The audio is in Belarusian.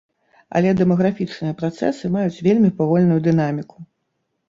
Але дэмаграфічныя працэсы маюць вельмі павольную дынаміку.